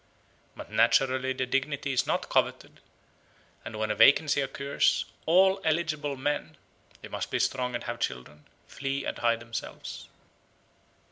But naturally the dignity is not coveted, and when a vacancy occurs, all eligible men (they must be strong and have children) flee and hide themselves.